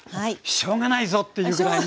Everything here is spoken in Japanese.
しょうがないぞっていうぐらいに。